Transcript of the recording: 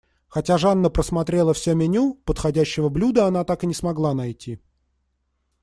Хотя Жанна просмотрела всё меню, подходящего блюда она так и не смогла найти.